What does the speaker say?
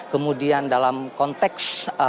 kemudian dalam konteks